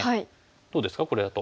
どうですかこれだと。